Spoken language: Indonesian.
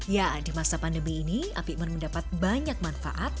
ya di masa pandemi ini apikmen mendapat banyak manfaat